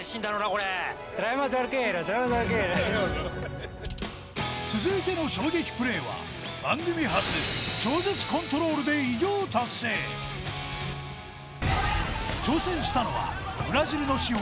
これ続いての衝撃プレーは番組初で偉業達成挑戦したのはブラジルの至宝